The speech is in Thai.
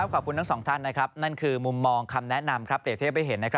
ขอบคุณทั้งสองท่านนั่นคือมุมมองคำแนะนำเปรียบเทียบให้เห็น